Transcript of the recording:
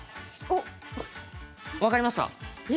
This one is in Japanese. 分かりました。